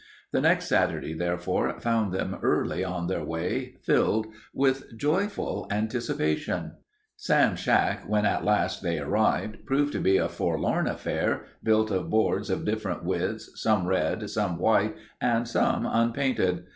The next Saturday, therefore, found them early on their way, filled with joyful anticipations. Sam's shack, when at last they arrived, proved to be a forlorn affair, built of boards of different widths, some red, some white, and some unpainted.